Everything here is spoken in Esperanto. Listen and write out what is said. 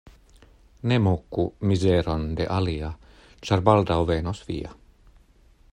Ne moku mizeron de alia, ĉar baldaŭ venos via.